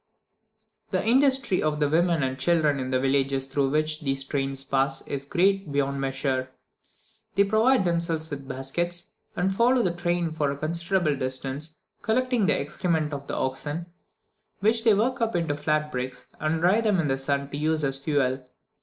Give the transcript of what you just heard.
The industry of the women and children in the villages through which these trains pass is great beyond measure; they provide themselves with baskets, and follow the train for a considerable distance, collecting the excrement of the oxen, which they work up into flat bricks, and dry them in the sun to use as fuel.